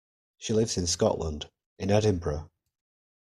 She lives in Scotland, in Edinburgh